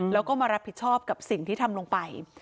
แล้วก็มารับผิดชอบกับสิ่งที่ทำลงไป